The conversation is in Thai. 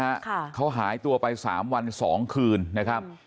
ค่ะเขาหายตัวไปสามวันสองคืนนะครับ